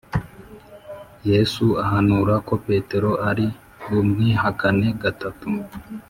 Yesu ahanura ko Petero ari bumwihakane gatatu